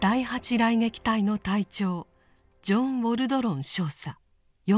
雷撃隊の隊長ジョン・ウォルドロン少佐４１歳。